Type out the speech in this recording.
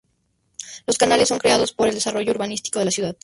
Los canales son creados por el desarrollo urbanístico de la ciudad.